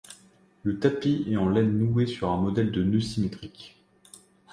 Le tapis est en laine nouée sur un modèle de nœud symétrique.